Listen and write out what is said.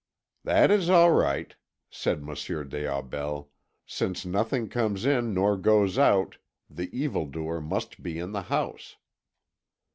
"That is all right," said Monsieur des Aubels. "Since nothing comes in nor goes out, the evil doer must be in the house."